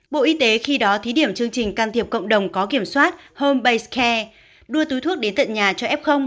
bộ y tế khi đó thí điểm chương trình can thiệp cộng đồng có kiểm soát home bay scare đưa túi thuốc đến tận nhà cho f